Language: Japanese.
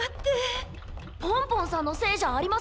ポンポンさんのせいじゃありません。